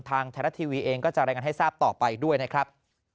ทางไทยรัฐทีวีเองก็จะรายงานให้ทราบต่อไปด้วยนะครับ